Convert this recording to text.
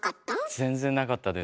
全然なかったです。